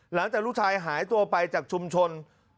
หลังจากลูกชายหายตัวไปจากชุมชน